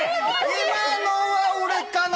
今のは俺かな？